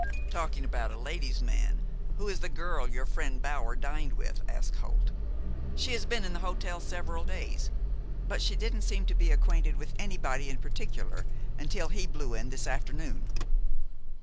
"Talking about a ladies' man, who is the girl your friend Bower dined with?" asked Holt. "She has been in the hotel several days; but she didn't seem to be acquainted with anybody in particular until he blew in this afternoon."